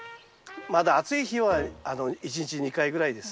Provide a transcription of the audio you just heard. まだ暑い日は一日２回ぐらいですね。